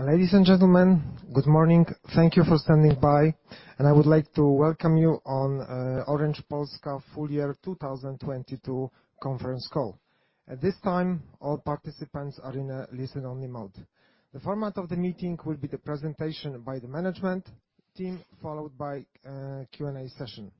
Ladies and gentlemen, good morning. Thank you for standing by. I would like to welcome you on Orange Polska Full-Year 2022 Conference Call. At this time, all participants are in a listen-only mode. The format of the meeting will be the presentation by the management team, followed by a Q&A session.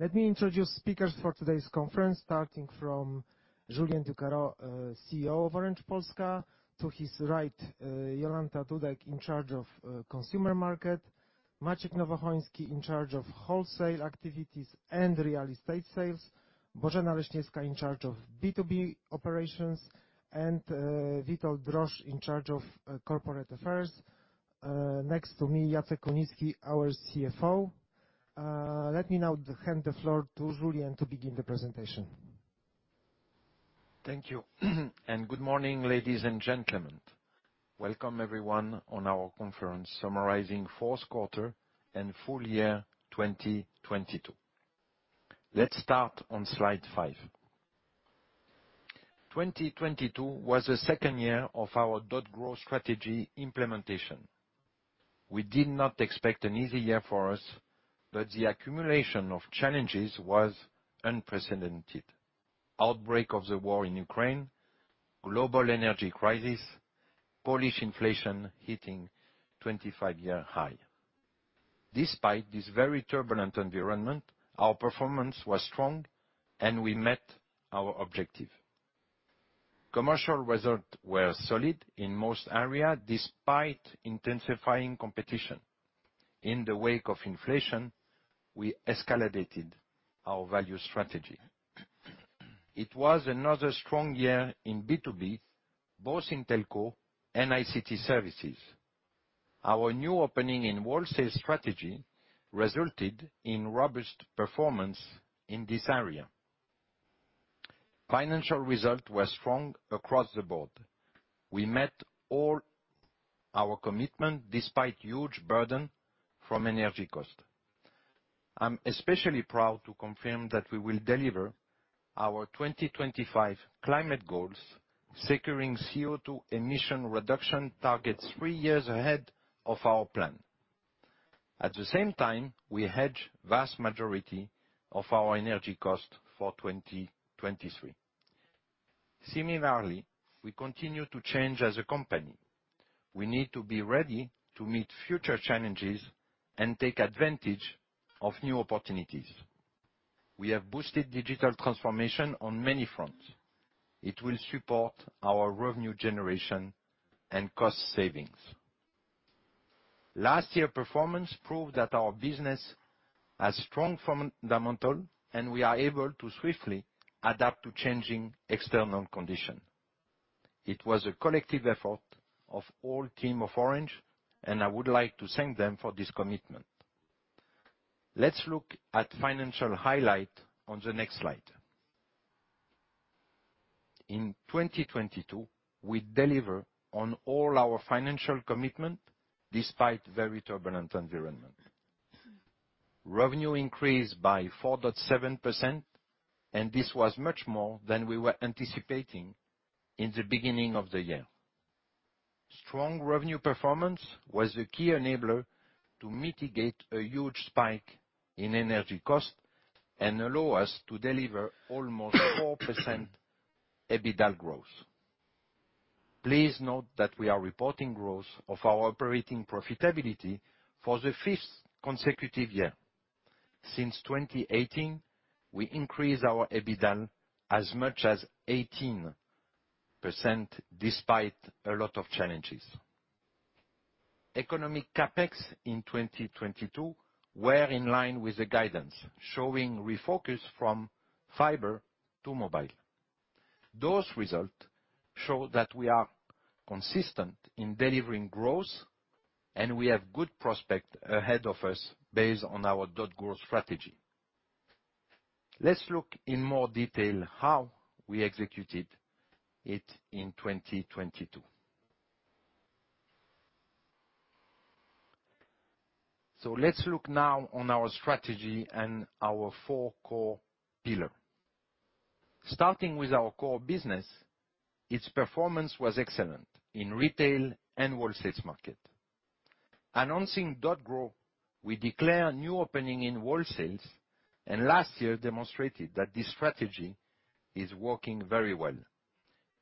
Let me introduce speakers for today's conference, starting from Julien Ducarroz, CEO of Orange Polska. To his right, Jolanta Dudek in charge of consumer market. Maciej Nowohoński in charge of wholesale activities and real estate sales. Bożena Leśniewska in charge of B2B operations, and Witold Drożdż in charge of corporate affairs. Next to me, Jacek Kunicki, our CFO. Let me now hand the floor to Julien to begin the presentation. Thank you and good morning, ladies and gentlemen. Welcome, everyone, on our conference summarizing fourth quarter and full year 2022. Let's start on slide 5. 2022 was the second year of our .Grow strategy implementation. We did not expect an easy year for us, but the accumulation of challenges was unprecedented. Outbreak of the war in Ukraine, global energy crisis, Polish inflation hitting 25-year high. Despite this very turbulent environment, our performance was strong and we met our objective. Commercial results were solid in most areas despite intensifying competition. In the wake of inflation, we escalated our value strategy. It was another strong year in B2B, both in telco and ICT services. Our new opening in wholesale strategy resulted in robust performance in this area. Financial results were strong across the board. We met all our commitment despite huge burden from energy cost. I'm especially proud to confirm that we will deliver our 2025 climate goals, securing CO2 emission reduction targets 3 years ahead of our plan. At the same time, we hedge vast majority of our energy cost for 2023. Similarly, we continue to change as a company. We need to be ready to meet future challenges and take advantage of new opportunities. We have boosted digital transformation on many fronts. It will support our revenue generation and cost savings. Last year performance proved that our business has strong fundamental, and we are able to swiftly adapt to changing external conditions. It was a collective effort of all team of Orange, and I would like to thank them for this commitment. Let's look at financial highlight on the next slide. In 2022, we deliver on all our financial commitment despite very turbulent environment. Revenue increased by 4.7%. This was much more than we were anticipating in the beginning of the year. Strong revenue performance was a key enabler to mitigate a huge spike in energy cost and allow us to deliver almost 4% EBITDA growth. Please note that we are reporting growth of our operating profitability for the fifth consecutive year. Since 2018, we increased our EBITDA as much as 18% despite a lot of challenges. Economic CapEx in 2022 were in line with the guidance, showing refocus from fiber to mobile. Those results show that we are consistent in delivering growth. We have good prospect ahead of us based on our .Grow strategy. Let's look in more detail how we executed it in 2022. Let's look now on our strategy and our 4 core pillar. Starting with our core business, its performance was excellent in retail and wholesale market. Announcing .Grow, we declare new opening in wholesales, and last year demonstrated that this strategy is working very well.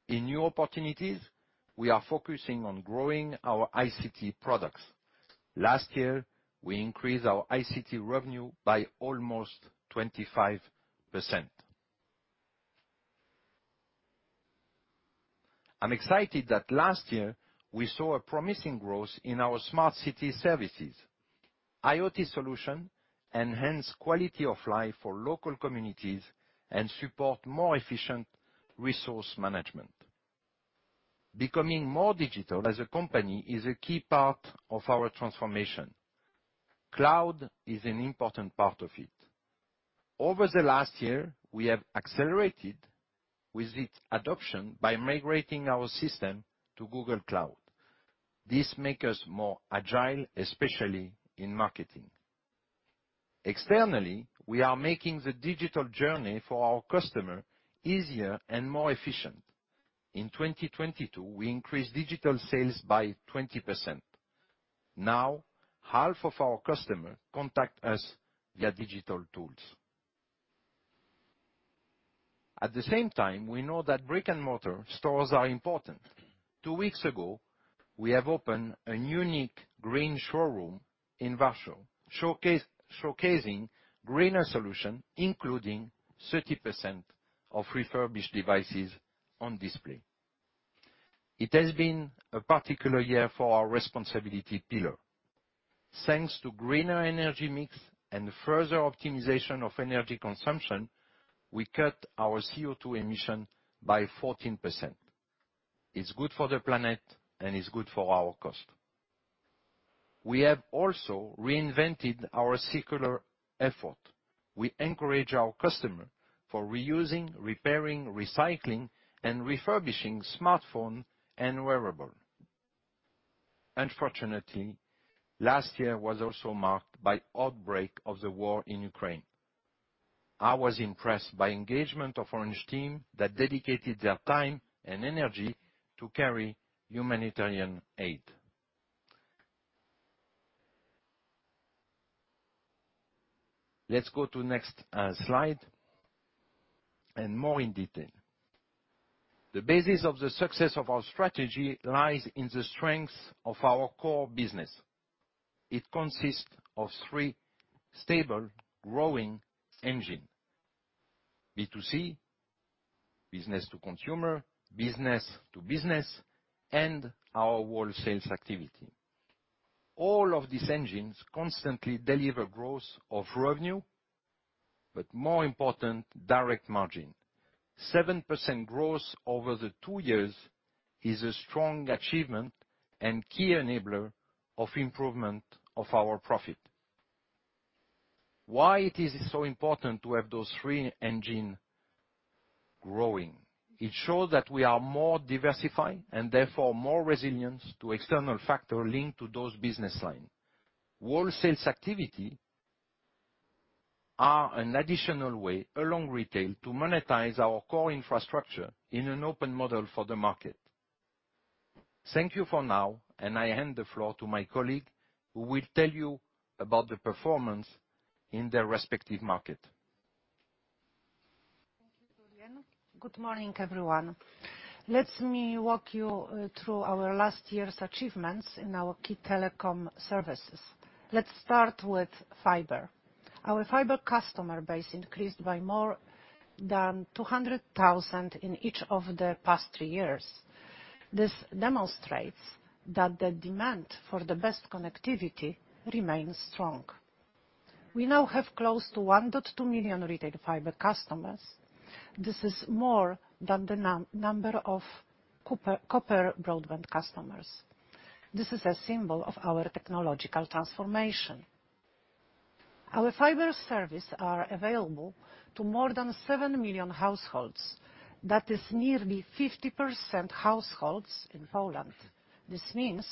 In new opportunities, we are focusing on growing our ICT products. Last year, we increased our ICT revenue by almost 25%. I'm excited that last year we saw a promising growth in our smart city services. IoT solution enhance quality of life for local communities and support more efficient resource management. Becoming more digital as a company is a key part of our transformation. Cloud is an important part of it. Over the last year, we have accelerated with its adoption by migrating our system to Google Cloud. This make us more agile, especially in marketing. Externally, we are making the digital journey for our customer easier and more efficient. In 2022, we increased digital sales by 20%. Now, half of our customer contact us via digital tools. At the same time, we know that brick-and-mortar stores are important. 2 weeks ago, we have opened a unique green showroom in Warsaw, showcasing greener solution, including 30% of refurbished devices on display. It has been a particular year for our responsibility pillar. Thanks to greener energy mix and further optimization of energy consumption, we cut our CO2 emission by 14%. It's good for the planet, it's good for our cost. We have also reinvented our circular effort. We encourage our customer for reusing, repairing, recycling, and refurbishing smartphone and wearable. Unfortunately, last year was also marked by outbreak of the war in Ukraine. I was impressed by engagement of Orange team that dedicated their time and energy to carry humanitarian aid. Let's go to next slide and more in detail. The basis of the success of our strategy lies in the strength of our core business. It consists of three stable growing engine. B2C, business to consumer, business-to-business, and our wholesale activity. All of these engines constantly deliver growth of revenue, more important, direct margin. 7% growth over the two years is a strong achievement and key enabler of improvement of our profit. Why it is so important to have those three engine growing? It shows that we are more diversified and therefore more resilient to external factor linked to those business line. Wholesale activity are an additional way along retail to monetize our core infrastructure in an open model for the market. Thank you for now, I hand the floor to my colleague, who will tell you about the performance in their respective market. Thank you, Julien. Good morning, everyone. Let me walk you through our last year's achievements in our key telecom services. Let's start with fiber. Our fiber customer base increased by more than 200,000 in each of the past 3 years. This demonstrates that the demand for the best connectivity remains strong. We now have close to 1.2 million retail fiber customers. This is more than the number of copper broadband customers. This is a symbol of our technological transformation. Our fiber service are available to more than 7 million households. That is nearly 50% households in Poland. This means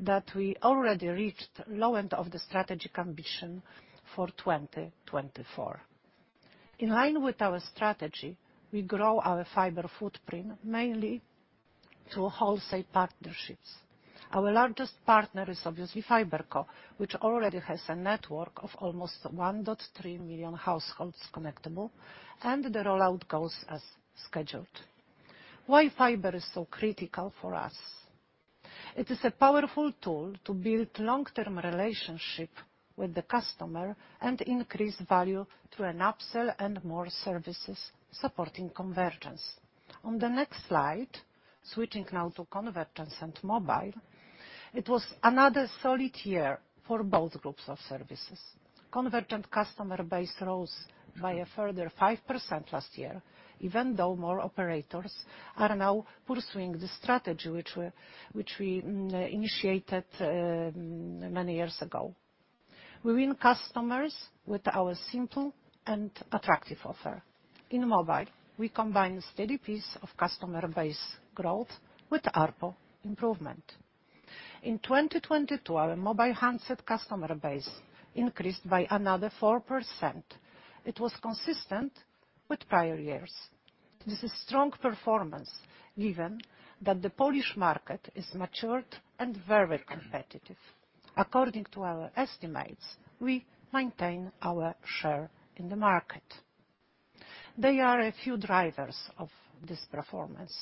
that we already reached low end of the strategy condition for 2024. In line with our strategy, we grow our fiber footprint mainly through wholesale partnerships. Our largest partner is obviously FiberCo, which already has a network of almost 1.3 million households connectable. The rollout goes as scheduled. Why Fiber is so critical for us? It is a powerful tool to build long-term relationship with the customer and increase value through an upsell and more services supporting convergence. On the next slide, switching now to convergence and mobile. It was another solid year for both groups of services. Convergence customer base rose by a further 5% last year, even though more operators are now pursuing the strategy which we initiated many years ago. We win customers with our simple and attractive offer. In mobile, we combine steady pace of customer base growth with ARPU improvement. In 2022, our mobile handset customer base increased by another 4%. It was consistent with prior years. This is strong performance given that the Polish market is matured and very competitive. According to our estimates, we maintain our share in the market. There are a few drivers of this performance.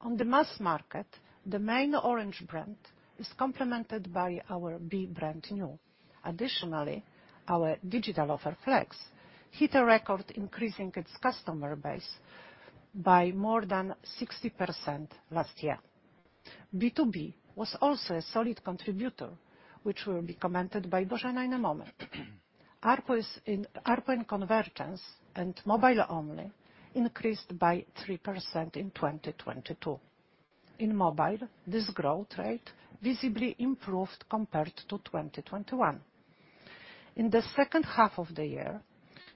On the mass market, the main Orange brand is complemented by our B brand nju mobile. Additionally, our digital offer Flex hit a record, increasing its customer base by more than 60% last year. B2B was also a solid contributor, which will be commented by Bożena in a moment. ARPU in convergence and mobile-only increased by 3% in 2022. In mobile, this growth rate visibly improved compared to 2021. In the second half of the year.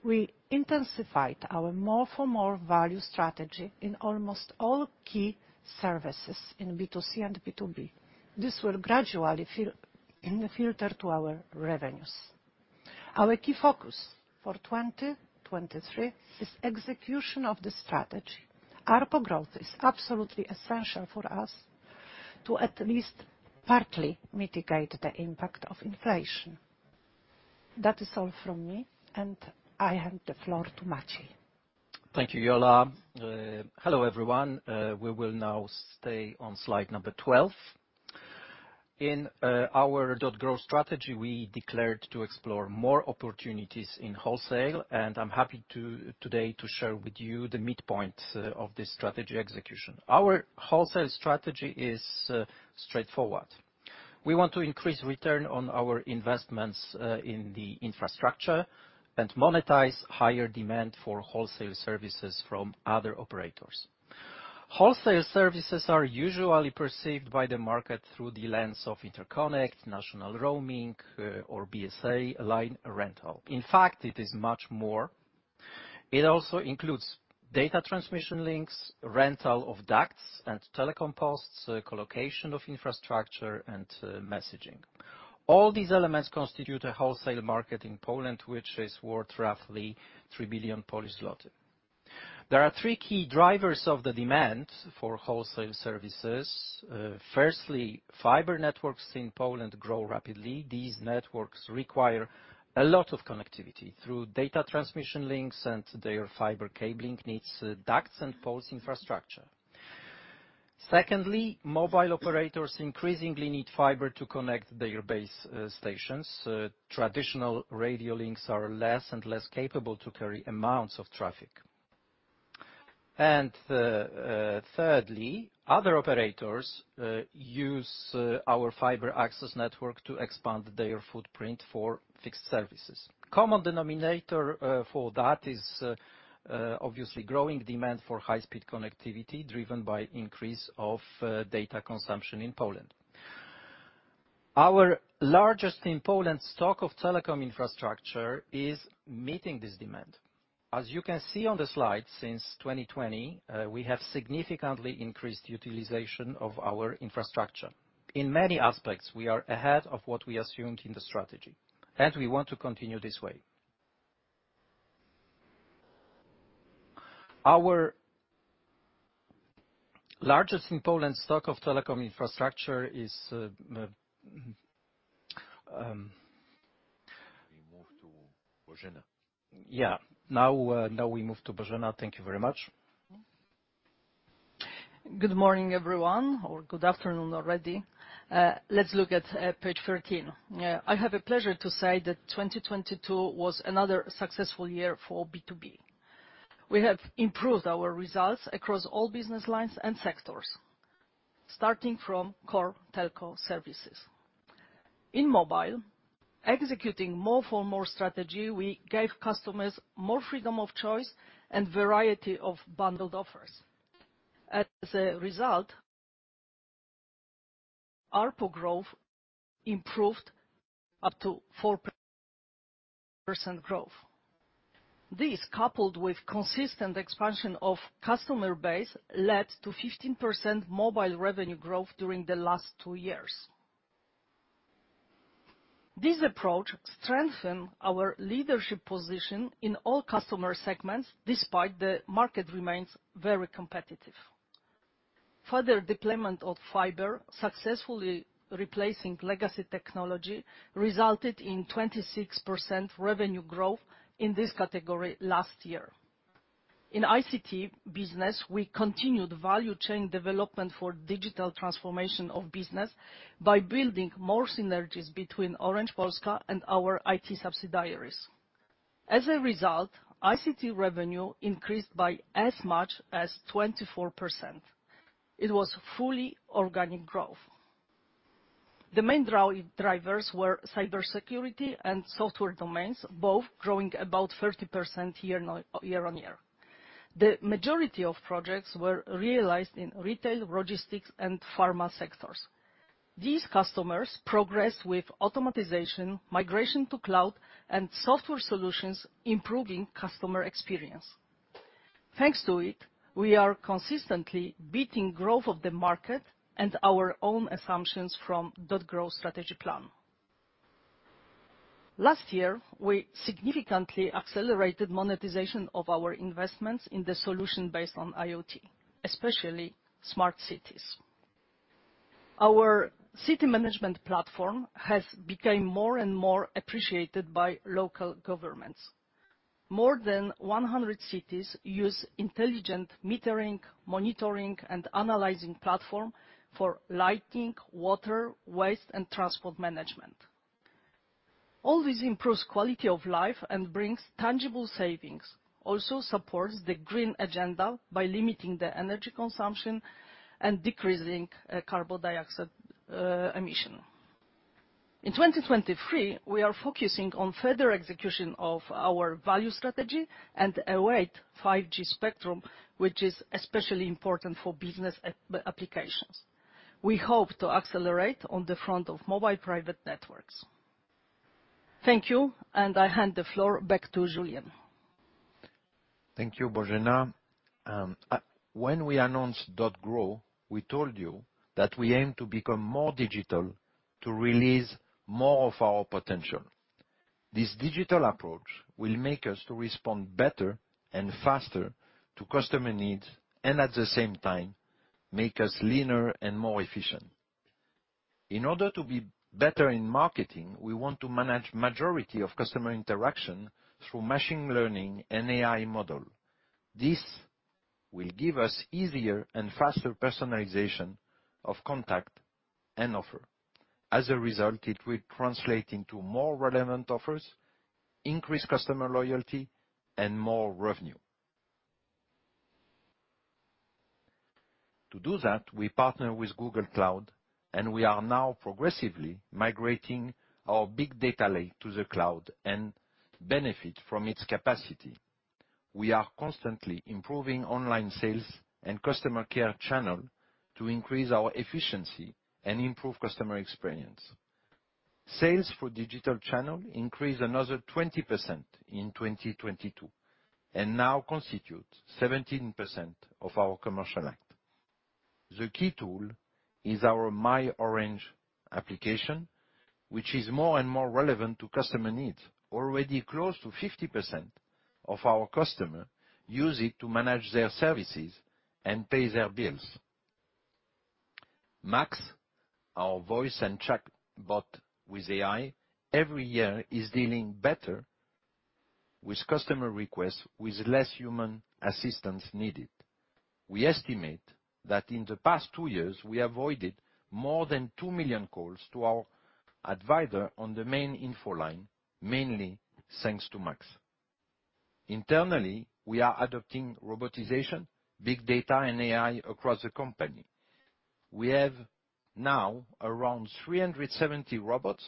We intensified our more for more value strategy in almost all key services in B2C and B2B. This will gradually in the filter to our revenues. Our key focus for 2023 is execution of the strategy. ARPU growth is absolutely essential for us to at least partly mitigate the impact of inflation. That is all from me, and I hand the floor to Maciej. Thank you, Ola. Hello, everyone. We will now stay on slide number 12. In our .Grow strategy, we declared to explore more opportunities in wholesale, and I'm happy today to share with you the midpoint of this strategy execution. Our wholesale strategy is straightforward. We want to increase return on our investments in the infrastructure and monetize higher demand for wholesale services from other operators. Wholesale services are usually perceived by the market through the lens of interconnect, national roaming, or BSA line rental. In fact, it is much more. It also includes data transmission links, rental of ducts and telecom posts, co-location of infrastructure and messaging. All these elements constitute a wholesale market in Poland, which is worth roughly 3 billion Polish zloty. There are 3 key drivers of the demand for wholesale services. Firstly, fiber networks in Poland grow rapidly. These networks require a lot of connectivity through data transmission links, and their fiber cabling needs ducts and poles infrastructure. Secondly, mobile operators increasingly need fiber to connect their base stations. Traditional radio links are less and less capable to carry amounts of traffic. Thirdly, other operators use our fiber access network to expand their footprint for fixed services. Common denominator for that is obviously growing demand for high-speed connectivity, driven by increase of data consumption in Poland. Our largest in Poland stock of telecom infrastructure is meeting this demand. As you can see on the slide, since 2020, we have significantly increased utilization of our infrastructure. In many aspects, we are ahead of what we assumed in the strategy, and we want to continue this way. Our largest in Poland stock of telecom infrastructure is. We move to Bożena. Yeah. Now we move to Bożena. Thank you very much. Good morning, everyone, or good afternoon already. Let's look at page 13. I have a pleasure to say that 2022 was another successful year for B2B. We have improved our results across all business lines and sectors, starting from core telco services. In mobile, executing more for more strategy, we gave customers more freedom of choice and variety of bundled offers. As a result, ARPU growth improved up to 4% growth. This, coupled with consistent expansion of customer base, led to 15% mobile revenue growth during the last 2 years. This approach strengthened our leadership position in all customer segments, despite the market remains very competitive. Further deployment of fiber successfully replacing legacy technology resulted in 26% revenue growth in this category last year. In ICT business, we continued value chain development for digital transformation of business by building more synergies between Orange Polska and our IT subsidiaries. As a result, ICT revenue increased by as much as 24%. It was fully organic growth. The main drivers were cybersecurity and software domains, both growing about 30% year-on-year. The majority of projects were realized in retail, logistics and pharma sectors. These customers progressed with automation, migration to cloud and software solutions, improving customer experience. Thanks to it, we are consistently beating growth of the market and our own assumptions from .Grow strategy plan. Last year, we significantly accelerated monetization of our investments in the solution-based on IoT, especially smart cities. Our city management platform has become more and more appreciated by local governments. More than 100 cities use intelligent metering, monitoring and analyzing platform for lighting, water, waste and transport management. All this improves quality of life and brings tangible savings, also supports the green agenda by limiting the energy consumption and decreasing CO2 emission. In 2023, we are focusing on further execution of our value strategy and await 5G spectrum, which is especially important for business applications. We hope to accelerate on the front of mobile private networks. Thank you. I hand the floor back to Julien. Thank you, Bożena. When we announced .Grow, we told you that we aim to become more digital to release more of our potential. This digital approach will make us to respond better and faster to customer needs, at the same time, make us leaner and more efficient. In order to be better in marketing, we want to manage majority of customer interaction through machine learning and AI model. This will give us easier and faster personalization of contact and offer. As a result, it will translate into more relevant offers, increase customer loyalty, and more revenue. To do that, we partner with Google Cloud, we are now progressively migrating our big data lake to the cloud and benefit from its capacity. We are constantly improving online sales and customer care channel to increase our efficiency and improve customer experience. Sales for digital channel increased another 20% in 2022, now constitute 17% of our commercial act. The key tool is our My Orange application, which is more and more relevant to customer needs. Already close to 50% of our customer use it to manage their services and pay their bills. Max, our voice and chatbot with AI, every year is dealing better with customer requests with less human assistance needed. We estimate that in the past 2 years, we avoided more than 2 million calls to our advisor on the main info line, mainly thanks to Max. Internally, we are adopting robotization, big data, and AI across the company. We have now around 370 robots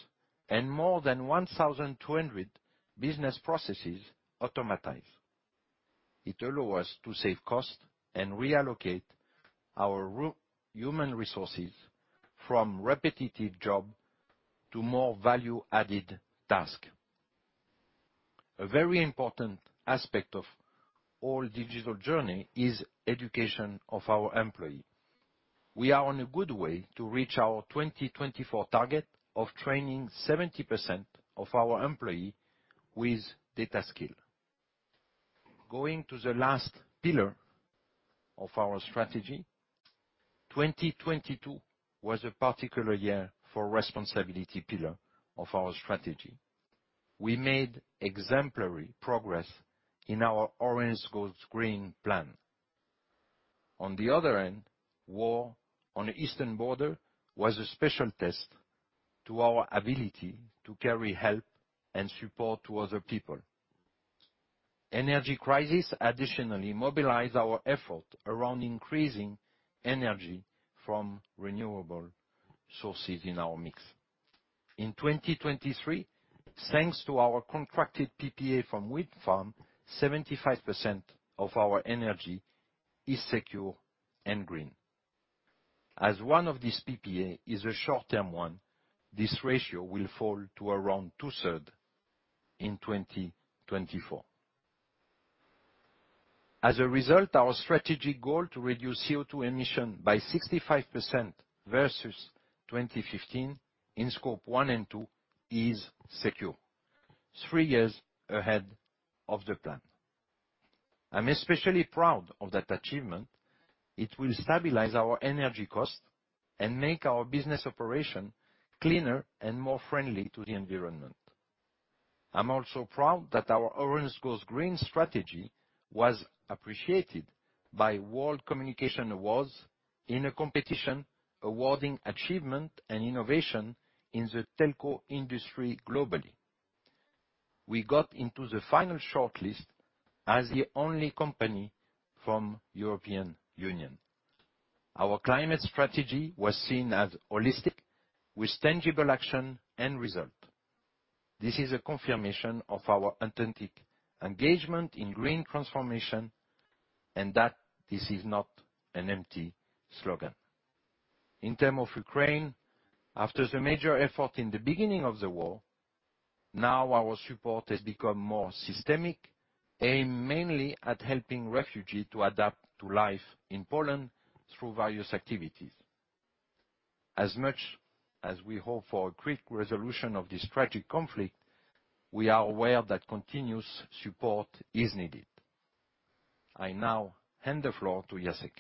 and more than 1,200 business processes automatized. It allow us to save costs and reallocate our human resources from repetitive job to more value-added task. A very important aspect of all digital journey is education of our employee. We are on a good way to reach our 2024 target of training 70% of our employee with data skill. Going to the last pillar of our strategy, 2022 was a particular year for responsibility pillar of our strategy. We made exemplary progress in our Orange Goes Green plan. On the other end, war on the eastern border was a special test to our ability to carry help and support to other people. Energy crisis additionally mobilized our effort around increasing energy from renewable sources in our mix. In 2023, thanks to our contracted PPA from wind farm, 75% of our energy is secure and green. As one of these PPA is a short-term one, this ratio will fall to around two-third in 2024. As a result, our strategic goal to reduce CO2 emission by 65% versus 2015 in Scope 1 and 2 is secure, 3 years ahead of the plan. I'm especially proud of that achievement. It will stabilize our energy costs and make our business operation cleaner and more friendly to the environment. I'm also proud that our Orange Goes Green strategy was appreciated by World Communication Awards in a competition awarding achievement and innovation in the telco industry globally. We got into the final shortlist as the only company from European Union. Our climate strategy was seen as holistic with tangible action and result. This is a confirmation of our authentic engagement in green transformation and that this is not an empty slogan. In term of Ukraine, after the major effort in the beginning of the war, now our support has become more systemic, aimed mainly at helping refugees to adapt to life in Poland through various activities. As much as we hope for a quick resolution of this tragic conflict, we are aware that continuous support is needed. I now hand the floor to Jacek.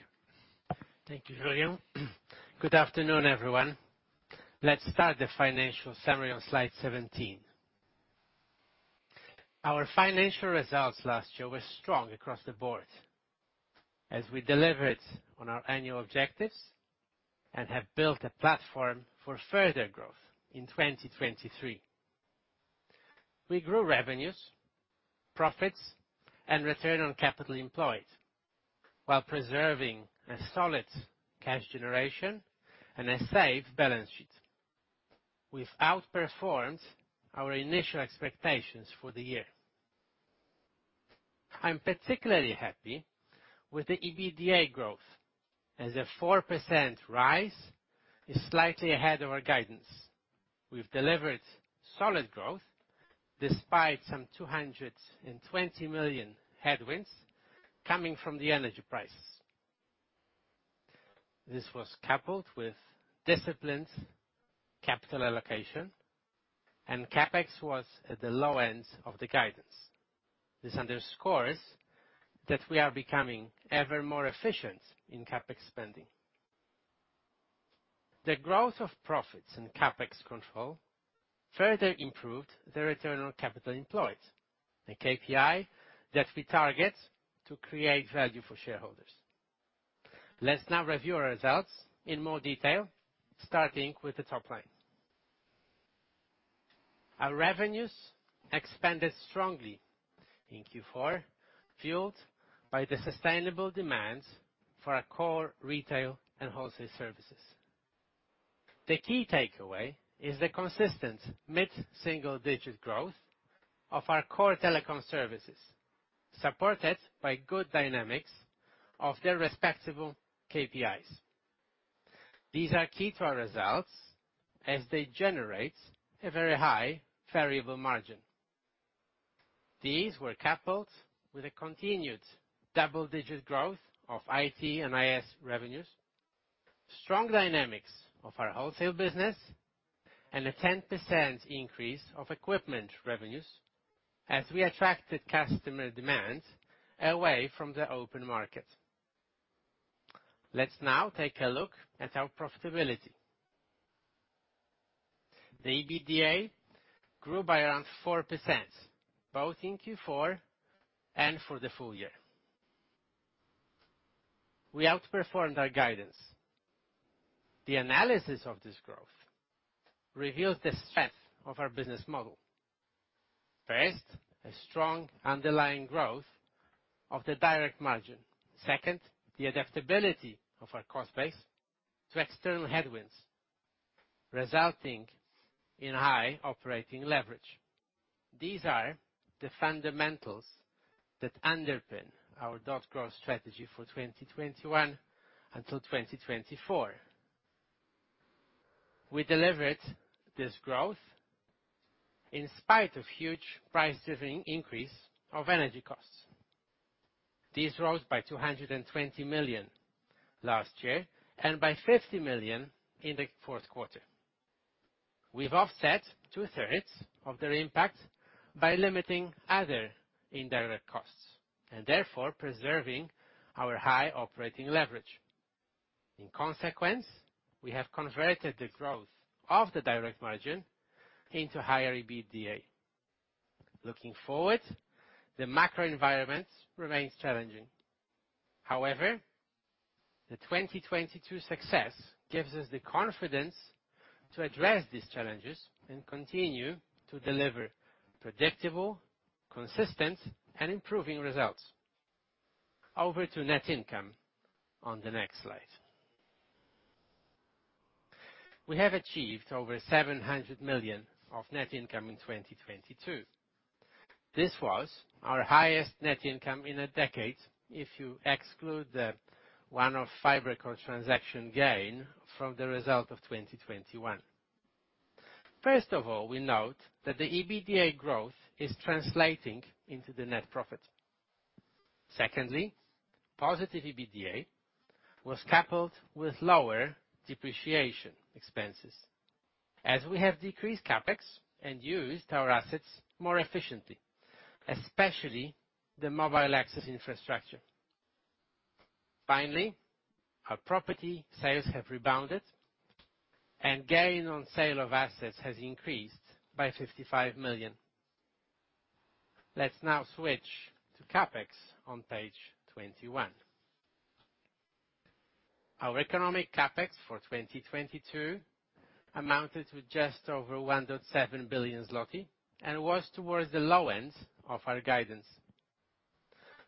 Thank you, Julien. Good afternoon, everyone. Let's start the financial summary on slide 17. Our financial results last year were strong across the board as we delivered on our annual objectives and have built a platform for further growth in 2023. We grew revenues, profits, and return on capital employed while preserving a solid cash generation and a safe balance sheet. We've outperformed our initial expectations for the year. I'm particularly happy with the EBITDA growth as a 4% rise is slightly ahead of our guidance. We've delivered solid growth despite some 220 million headwinds coming from the energy prices. This was coupled with disciplined capital allocation. CapEx was at the low end of the guidance. This underscores that we are becoming ever more efficient in CapEx spending. The growth of profits and CapEx control further improved the return on capital employed, a KPI that we target to create value for shareholders. Let's now review our results in more detail, starting with the top line. Our revenues expanded strongly in Q4, fueled by the sustainable demands for our core retail and wholesale services. The key takeaway is the consistent mid-single-digit growth of our core telecom services, supported by good dynamics of their respectable KPIs. These are key to our results as they generate a very high variable margin. These were coupled with a continued double-digit growth of IT and IS revenues, strong dynamics of our wholesale business, and a 10% increase of equipment revenues as we attracted customer demands away from the open market. Let's now take a look at our profitability. The EBITDA grew by around 4%, both in Q4 and for the full year. We outperformed our guidance. The analysis of this growth reveals the strength of our business model. First, a strong underlying growth of the direct margin. Second, the adaptability of our cost base to external headwinds, resulting in high operating leverage. These are the fundamentals that underpin our .Grow strategy for 2021 until 2024. We delivered this growth in spite of huge price driving increase of energy costs. These rose by 220 million last year and by 50 million in the fourth quarter. We've offset two-thirds of their impact by limiting other indirect costs and therefore preserving our high operating leverage. In consequence, we have converted the growth of the direct margin into higher EBITDA. Looking forward, the macro environment remains challenging. The 2022 success gives us the confidence to address these challenges and continue to deliver predictable, consistent, and improving results. Over to net income on the next slide. We have achieved over 700 million of net income in 2022. This was our highest net income in a decade if you exclude the one of FiberCo transaction gain from the result of 2021. First of all, we note that the EBITDA growth is translating into the net profit. Secondly, positive EBITDA was coupled with lower depreciation expenses as we have decreased CapEx and used our assets more efficiently, especially the mobile access infrastructure. Finally, our property sales have rebounded, and gain on sale of assets has increased by 55 million. Let's now switch to CapEx on page 21. Our eCapex for 2022 amounted to just over 1.7 billion zloty and was towards the low end of our guidance.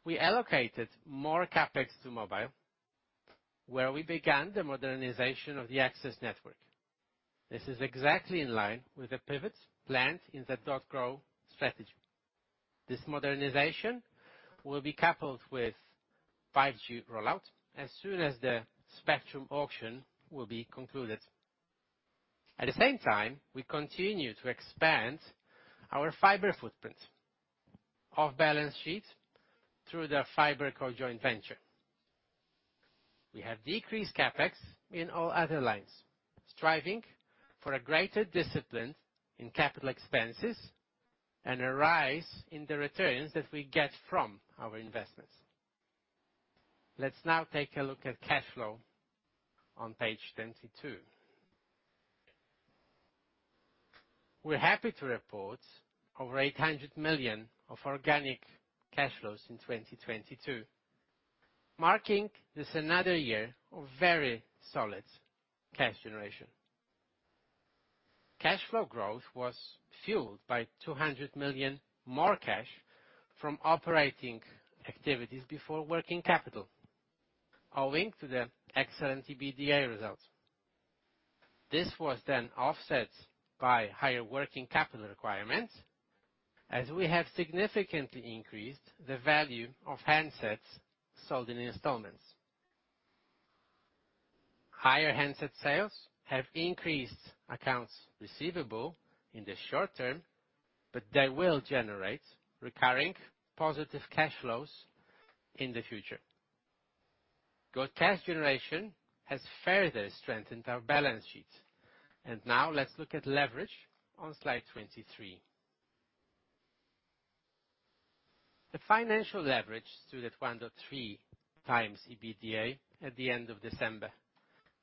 We allocated more CapEx to mobile, where we began the modernization of the access network. This is exactly in line with the pivots planned in the .Grow strategy. This modernization will be coupled with 5G rollout as soon as the spectrum auction will be concluded. At the same time, we continue to expand our fiber footprint off balance sheet through the FiberCo joint venture. We have decreased CapEx in all other lines, striving for a greater discipline in capital expenses and a rise in the returns that we get from our investments. Let's now take a look at cash flow on page 22. We're happy to report over 800 million of organic cash flows in 2022, marking this another year of very solid cash generation. Cash flow growth was fueled by 200 million more cash from operating activities before working capital, owing to the excellent EBITDA results. This was then offset by higher working capital requirements, as we have significantly increased the value of handsets sold in installments. Higher handset sales have increased accounts receivable in the short term, they will generate recurring positive cash flows in the future. Good cash generation has further strengthened our balance sheet. Now let's look at leverage on slide 23. The financial leverage stood at 1.3x EBITDA at the end of December,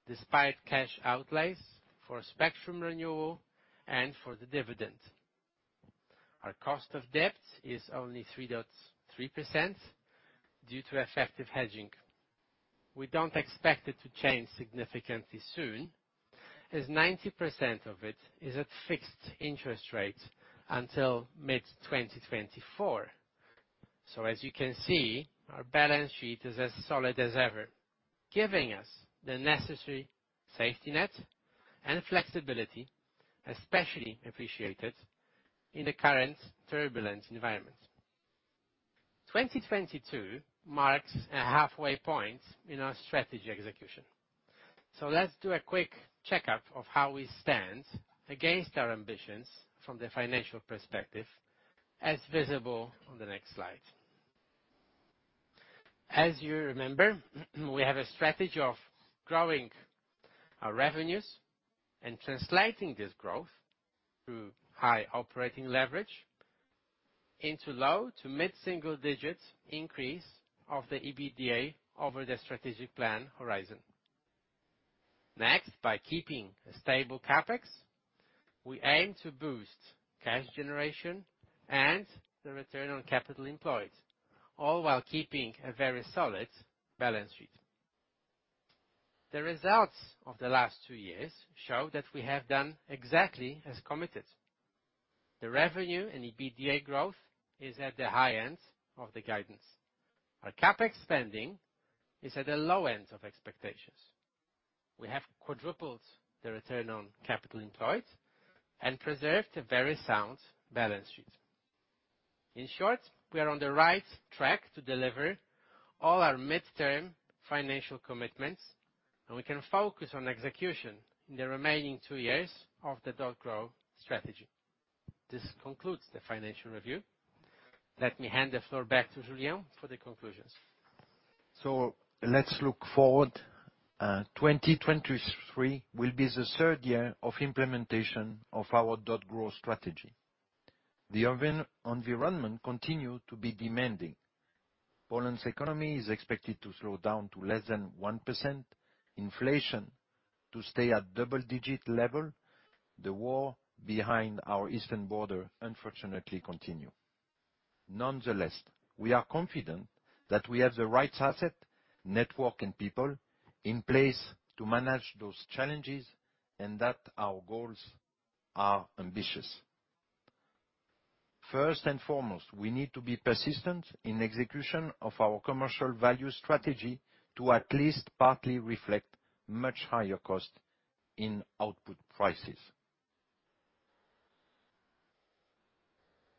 despite cash outlays for spectrum renewal and for the dividend. Our cost of debt is only 3.3% due to effective hedging. We don't expect it to change significantly soon, as 90% of it is at fixed interest rates until mid-2024. As you can see, our balance sheet is as solid as ever, giving us the necessary safety net and flexibility, especially appreciated in the current turbulent environment. 2022 marks a halfway point in our strategy execution. Let's do a quick checkup of how we stand against our ambitions from the financial perspective, as visible on the next slide. As you remember, we have a strategy of growing our revenues and translating this growth through high operating leverage into low to mid-single digits increase of the EBITDA over the strategic plan horizon. By keeping a stable CapEx, we aim to boost cash generation and the return on capital employed, all while keeping a very solid balance sheet. The results of the last two years show that we have done exactly as committed. The revenue and EBITDA growth is at the high end of the guidance. Our CapEx spending is at the low end of expectations. We have quadrupled the return on capital employed and preserved a very sound balance sheet. In short, we are on the right track to deliver all our midterm financial commitments, and we can focus on execution in the remaining two years of the .Grow strategy. This concludes the financial review. Let me hand the floor back to Julien for the conclusions. Let's look forward. 2023 will be the third year of implementation of our .Grow strategy. The urban environment continue to be demanding. Poland's economy is expected to slow down to less than 1%, inflation to stay at double-digit level. The war behind our eastern border unfortunately continue. Nonetheless, we are confident that we have the right asset, network and people in place to manage those challenges, and that our goals are ambitious. First and foremost, we need to be persistent in execution of our commercial value strategy to at least partly reflect much higher cost in output prices.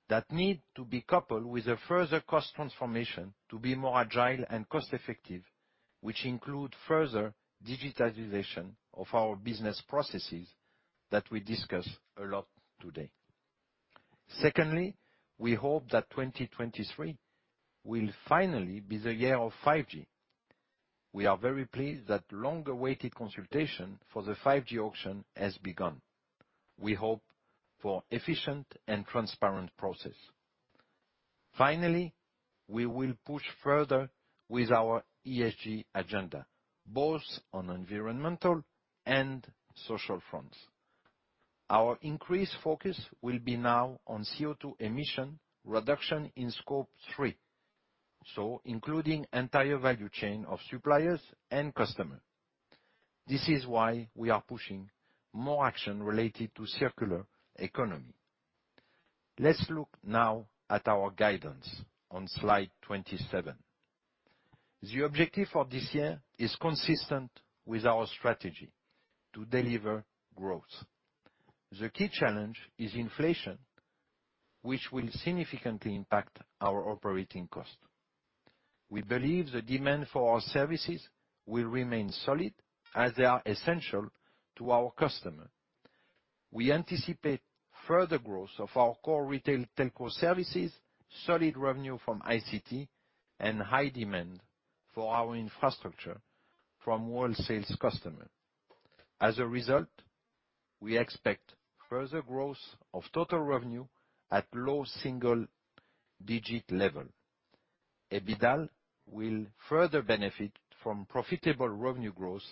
That need to be coupled with a further cost transformation to be more agile and cost-effective, which include further digitization of our business processes that we discuss a lot today. Secondly, we hope that 2023 will finally be the year of 5G. We are very pleased that long-awaited consultation for the 5G auction has begun. We hope for efficient and transparent process. Finally, we will push further with our ESG agenda, both on environmental and social fronts. Our increased focus will be now on CO2 emission reduction in Scope 3, so including entire value chain of suppliers and customers. This is why we are pushing more action related to circular economy. Let's look now at our guidance on slide 27. The objective for this year is consistent with our strategy to deliver growth. The key challenge is inflation, which will significantly impact our operating cost. We believe the demand for our services will remain solid as they are essential to our customer. We anticipate further growth of our core retail telco services, solid revenue from ICT and high demand for our infrastructure from wholesale customer. As a result, we expect further growth of total revenue at low single-digit level. EBITDA will further benefit from profitable revenue growth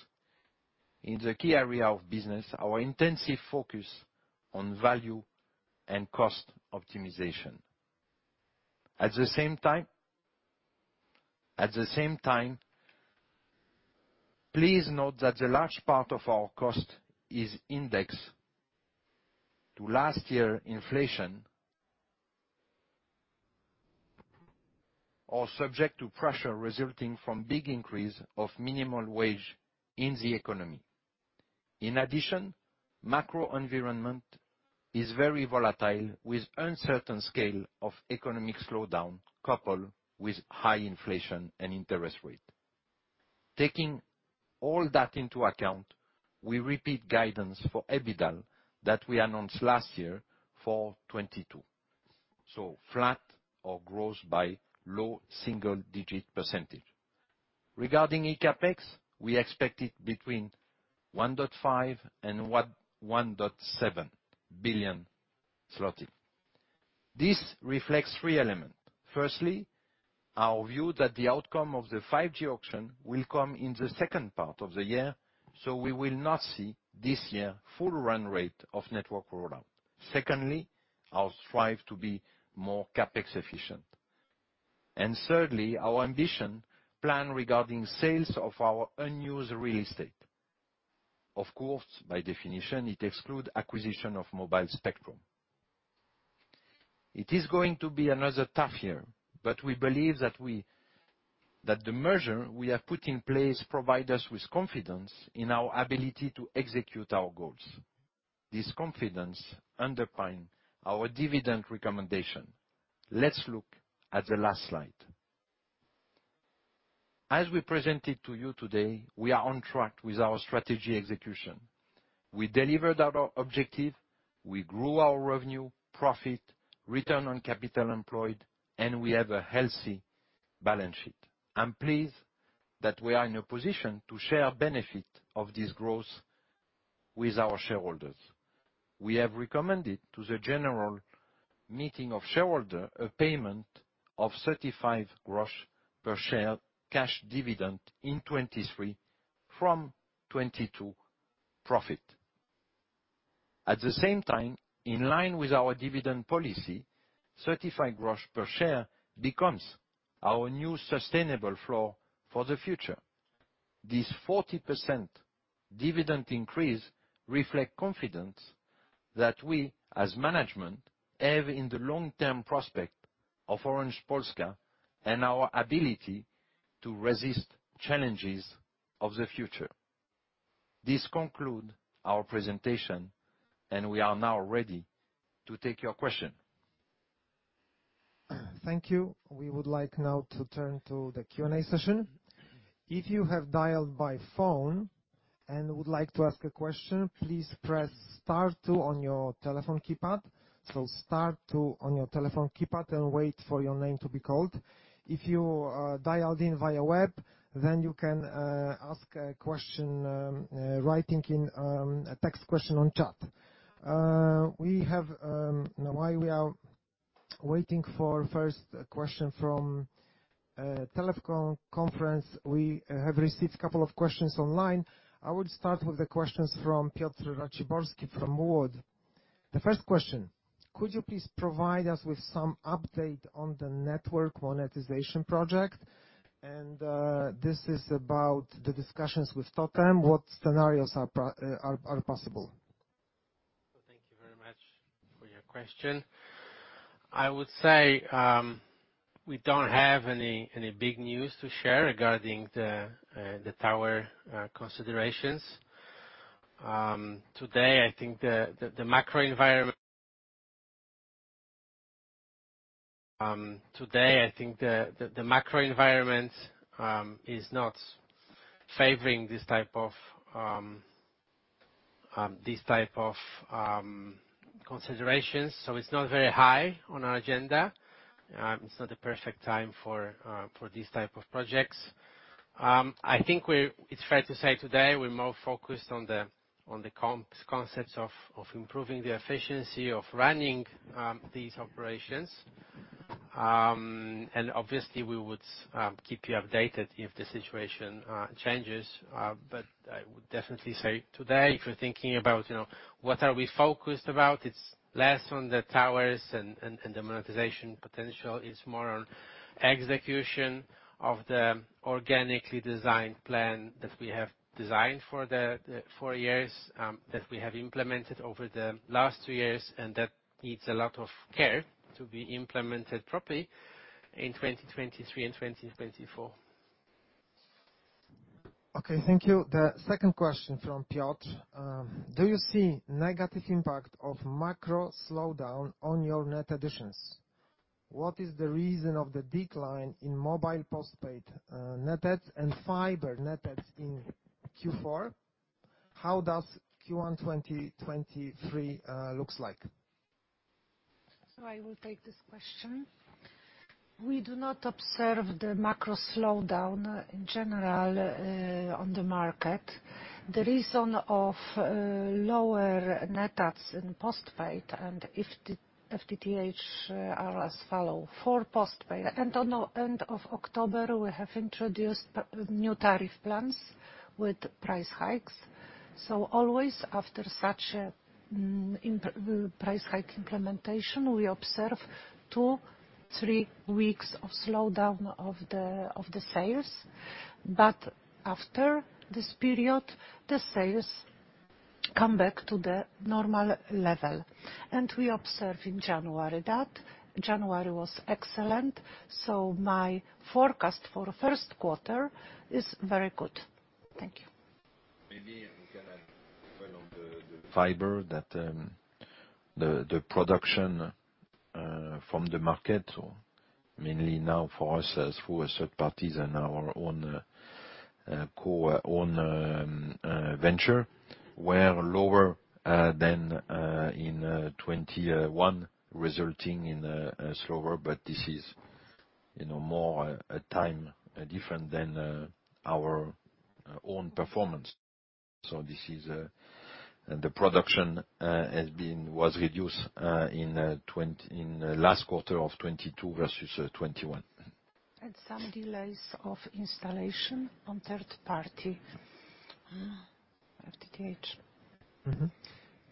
in the key area of business, our intensive focus on value and cost optimization. At the same time, please note that the large part of our cost is indexed to last year inflation or subject to pressure resulting from big increase of minimal wage in the economy. In addition, macro environment is very volatile with uncertain scale of economic slowdown, coupled with high inflation and interest rate. Taking all that into account, we repeat guidance for EBITDA that we announced last year for 2022. Flat or gross by low single-digit %. Regarding eCapex, we expect it between 1.5 billion-1.7 billion. This reflects three elements. Our view that the outcome of the 5G auction will come in the second part of the year, we will not see this year full run rate of network rollout. Our strive to be more CapEx efficient. Our ambition plan regarding sales of our unused real estate. By definition it excludes acquisition of mobile spectrum. It is going to be another tough year, we believe that the measure we have put in place provide us with confidence in our ability to execute our goals. This confidence underpin our dividend recommendation. Let's look at the last slide. We presented to you today, we are on track with our strategy execution. We delivered our objective, we grew our revenue, profit, return on capital employed, and we have a healthy balance sheet. I'm pleased that we are in a position to share benefit of this growth with our shareholders. We have recommended to the general meeting of shareholder a payment of 0.35 per share cash dividend in 2023 from 2022 profit. At the same time, in line with our dividend policy, 0.35 per share becomes our new sustainable floor for the future. This 40% dividend increase reflect confidence that we, as management, have in the long-term prospect of Orange Polska and our ability to resist challenges of the future. This conclude our presentation, and we are now ready to take your question. Thank you. We would like now to turn to the Q&A session. If you have dialed by phone and would like to ask a question, please press star two on your telephone keypad. Star two on your telephone keypad and wait for your name to be called. If you dialed in via web, you can ask a question writing in a text question on chat. We have while we are waiting for first question from telephone conference, we have received a couple of questions online. I would start with the questions from Piotr Raciborski from Wood. The first question: Could you please provide us with some update on the network monetization project? This is about the discussions with Totem. What scenarios are possible? Thank you very much for your question. I would say, we don't have any big news to share regarding the tower considerations. Today, I think the macro environment, is not favoring this type of considerations, so it's not very high on our agenda. It's not the perfect time for these type of projects. I think it's fair to say today we're more focused on the concepts of improving the efficiency of running these operations. Obviously we would keep you updated if the situation changes. I would definitely say today, if you're thinking about, you know, what are we focused about, it's less on the towers and the monetization potential. It's more on execution of the organically designed plan that we have designed for the four years, that we have implemented over the last two years, and that needs a lot of care to be implemented properly in 2023 and 2024. Okay. Thank you. The second question from Piotr. Do you see negative impact of macro slowdown on your net additions? What is the reason of the decline in mobile postpaid net adds and fiber net adds in Q4? How does Q1 2023 looks like? I will take this question. We do not observe the macro slowdown in general on the market. The reason of lower net adds in postpaid and if the FTTH are as follow. For postpaid and on the end of October, we have introduced new tariff plans with price hikes. Always after such a price hike implementation, we observe 2, 3 weeks of slowdown of the sales. After this period, the sales come back to the normal level. We observe in January that January was excellent. My forecast for the first quarter is very good. Thank you. Maybe we can add point on the fiber that, the production from the market, or mainly now for us as through a third parties and our own, co-own venture, were lower than in 2021 resulting in a slower but this is, you know, more a time different than our own performance. The production was reduced in last quarter of 2022 versus 2021. Some delays of installation on third party. FTTH.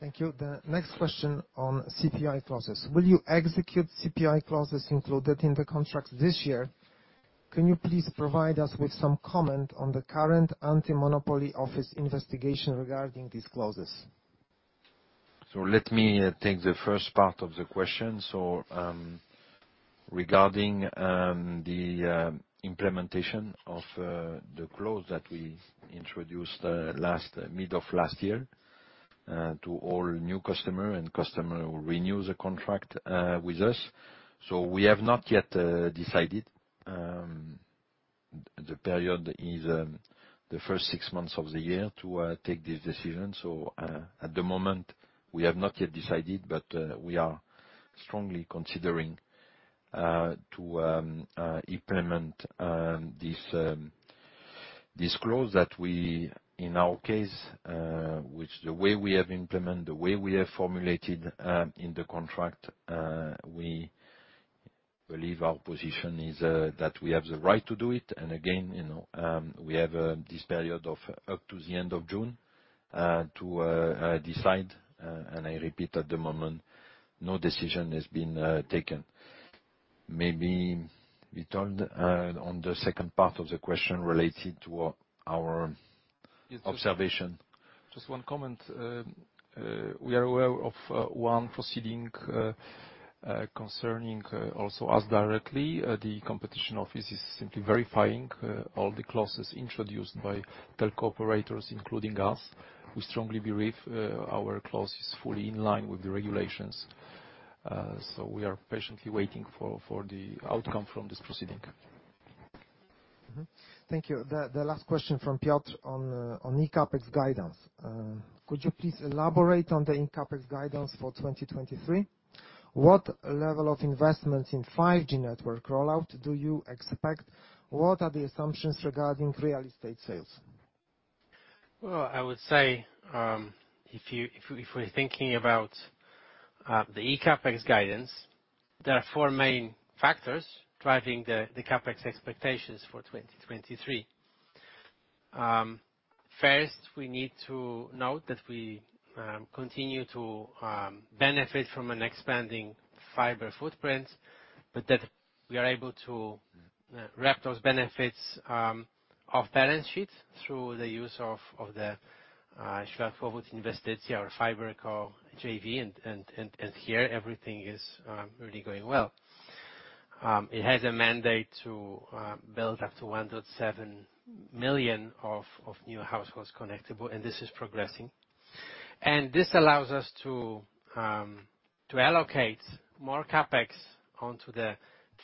Thank you. The next question on CPI clauses. Will you execute CPI clauses included in the contract this year? Can you please provide us with some comment on the current anti-monopoly office investigation regarding these clauses? Let me take the first part of the question. Regarding, the implementation of the clause that we introduced last mid of last year, to all new customer and customer who renew the contract with us. We have not yet decided, the period is the first six months of the year to take this decision. At the moment, we have not yet decided, but, we are strongly considering to implement this clause that we in our case, which the way we have implemented, the way we have formulated, in the contract, we believe our position is that we have the right to do it. Again, you know, we have this period of up to the end of June, to decide. I repeat, at the moment, no decision has been taken. Maybe Witold, on the second part of the question related to our observation. Just one comment. We are aware of one proceeding concerning also us directly. The Competition Office is simply verifying all the clauses introduced by telco operators, including us. We strongly believe our clause is fully in line with the regulations. We are patiently waiting for the outcome from this proceeding. Thank you. The last question from Piotr on eCapEx guidance. Could you please elaborate on the in CapEx guidance for 2023? What level of investments in 5G network rollout do you expect? What are the assumptions regarding real estate sales? Well, I would say, if you, if you, if we're thinking about the eCapex guidance, there are four main factors driving the CapEx expectations for 2023. First, we need to note that we continue to benefit from an expanding fiber footprint, but that we are able to wrap those benefits off balance sheet through the use of the Światłowód Inwestycje our FiberCo JV, and here everything is really going well. It has a mandate to build up to 1.7 million of new households connectable, and this is progressing. This allows us to allocate more CapEx onto the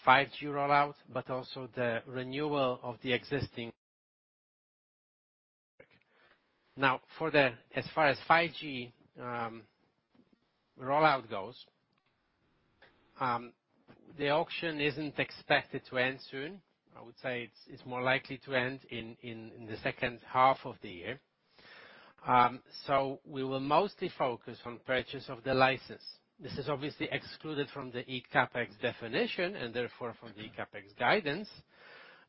5G rollout, but also the renewal of the existing. As far as 5G rollout goes, the auction isn't expected to end soon. I would say it's more likely to end in the second half of the year. We will mostly focus on purchase of the license. This is obviously excluded from the eCapEx definition and therefore from the CapEx guidance,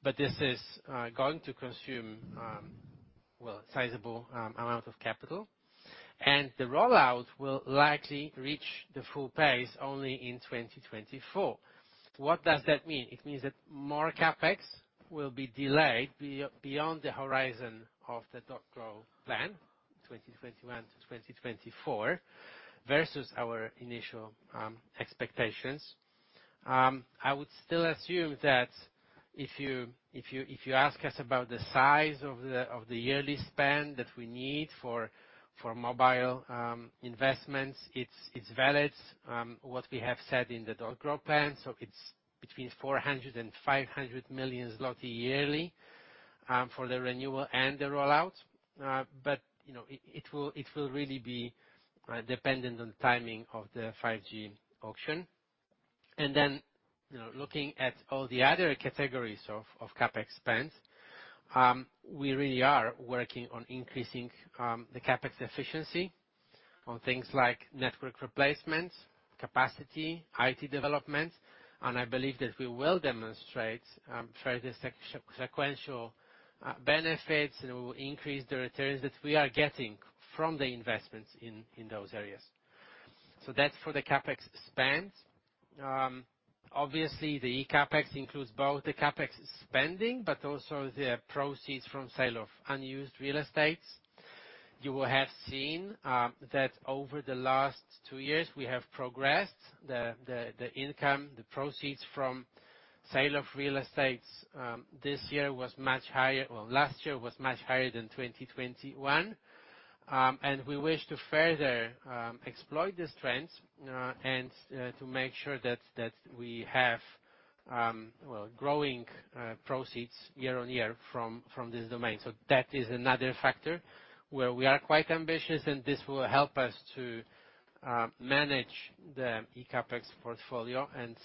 but this is going to consume, well, sizable amount of capital. The rollout will likely reach the full pace only in 2024. What does that mean? It means that more CapEx will be delayed beyond the horizon of the .Grow plan, 2021-2024, versus our initial expectations. I would still assume that if you ask us about the size of the yearly spend that we need for mobile investments, it's valid what we have said in the .Grow plan. It's between 400 million-500 million zloty yearly for the renewal and the rollout. You know, it will really be dependent on the timing of the 5G auction. You know, looking at all the other categories of CapEx spend, we really are working on increasing the CapEx efficiency on things like network replacements, capacity, IT development, and I believe that we will demonstrate further sequential benefits, and we will increase the returns that we are getting from the investments in those areas. That's for the CapEx spend. Obviously, the eCapEx includes both the CapEx spending, but also the proceeds from sale of unused real estates. You will have seen that over the last two years we have progressed the income, the proceeds from sale of real estates. This year was much higher. Well, last year was much higher than 2021. We wish to further exploit this trend and to make sure that we have, well, growing proceeds year on year from this domain. That is another factor where we are quite ambitious, and this will help us to manage the eCapEx portfolio. And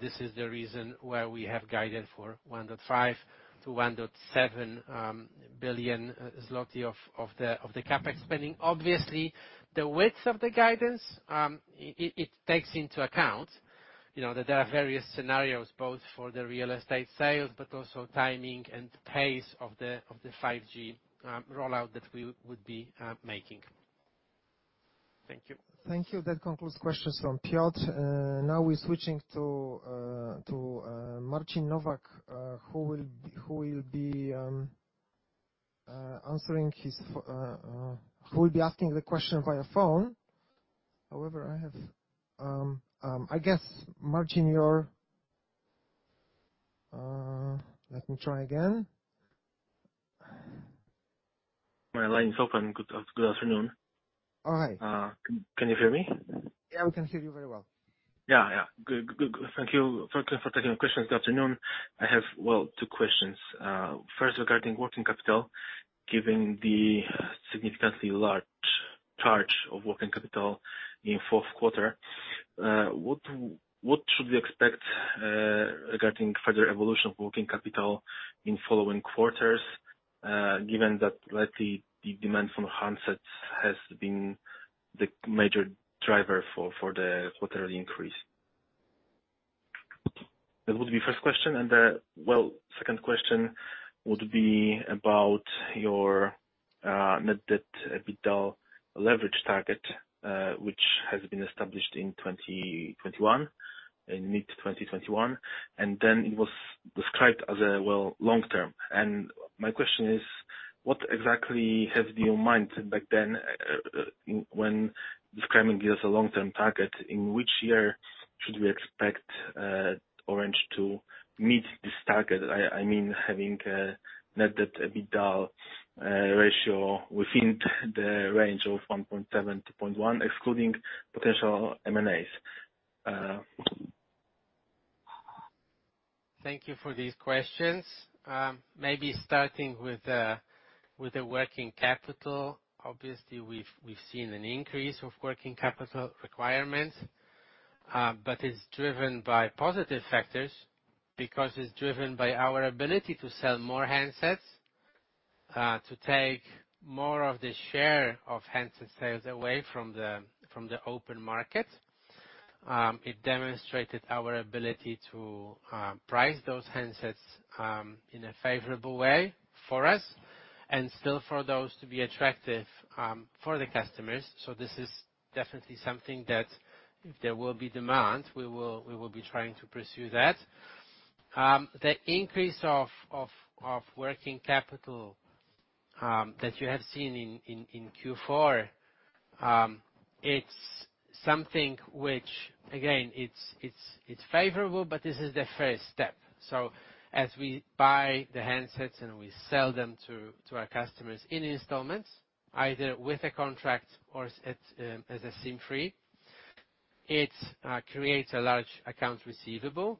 this is the reason why we have guided for 1.5 billion-1.7 billion zloty of the CapEx spending. Obviously, the width of the guidance, it takes into account, you know, that there are various scenarios both for the real estate sales but also timing and pace of the 5G rollout that we would be making. Thank you. Thank you. That concludes questions from Piotr. Now we're switching to Marcin Nowak, who will be asking the question via phone. Let me try again. My line is open. Good afternoon. Oh, hi. Can you hear me? Yeah, we can hear you very well. Yeah, yeah. Good, good. Thank you. Thank you for taking the questions this afternoon. I have, well, 2 questions. First regarding working capital. Given the significantly large charge of working capital in fourth quarter, what should we expect regarding further evolution of working capital in following quarters, given that lately the demand from handsets has been the major driver for the quarterly increase? That would be first question. The, well, second question would be about your net debt EBITDA leverage target, which has been established in 2021, in mid-2021, and then it was described as a, well, long term. My question is, what exactly have you in mind back then, when describing it as a long-term target? In which year should we expect Orange to meet this target? I mean, having a net debt EBITDA ratio within the range of 1.7x-0.1x, excluding potential M&As. Thank you for these questions. Maybe starting with the working capital. Obviously, we've seen an increase of working capital requirements, but it's driven by positive factors because it's driven by our ability to sell more handsets, to take more of the share of handset sales away from the open market. It demonstrated our ability to price those handsets in a favorable way for us and still for those to be attractive for the customers. This is definitely something that if there will be demand, we will be trying to pursue that. The increase of working capital that you have seen in Q4, it's something which again, it's favorable, but this is the first step. As we buy the handsets and we sell them to our customers in installments, either with a contract or as a SIM-free, it creates a large account receivable.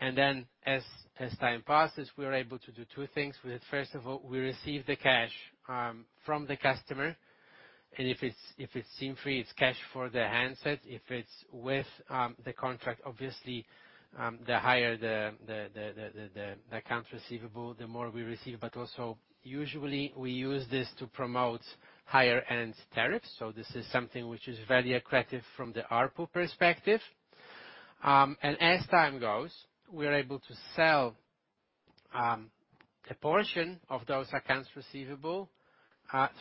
As time passes, we are able to do 2 things with it. First of all, we receive the cash from the customer, and if it's SIM-free, it's cash for the handset. If it's with the contract, obviously, the higher the account receivable, the more we receive. Also usually we use this to promote higher-end tariffs. This is something which is very attractive from the ARPU perspective. As time goes, we are able to sell a portion of those accounts receivable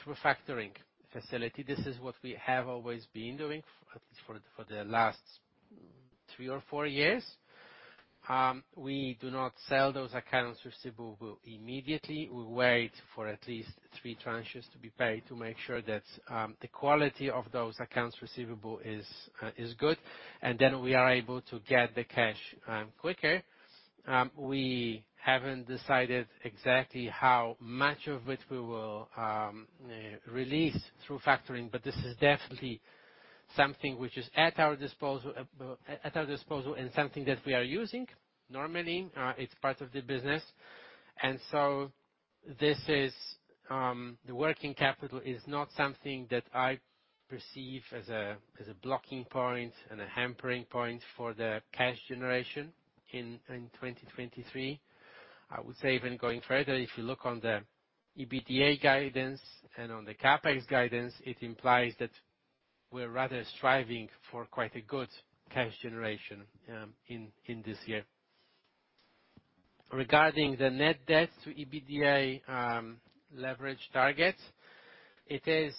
through a factoring facility. This is what we have always been doing at least for the last three or four years. We do not sell those accounts receivable immediately. We wait for at least three tranches to be paid to make sure that the quality of those accounts receivable is good, and then we are able to get the cash quicker. We haven't decided exactly how much of it we will release through factoring, but this is definitely something which is at our disposal and something that we are using. Normally, it's part of the business. The working capital is not something that I perceive as a blocking point and a hampering point for the cash generation in 2023. I would say even going further, if you look on the EBITDA guidance and on the CapEx guidance, it implies that we're rather striving for quite a good cash generation in this year. Regarding the net debt to EBITDA leverage target, it is